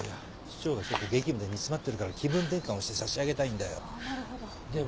市長がちょっと激務で煮詰まってるから気分転換をしてさしあげたいんだよ。